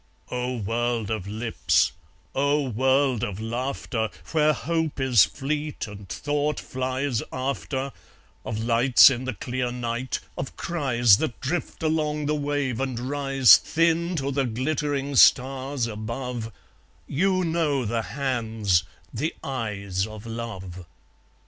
O world of lips, O world of laughter, Where hope is fleet and thought flies after, Of lights in the clear night, of cries That drift along the wave and rise Thin to the glittering stars above, You know the hands, the eyes of love!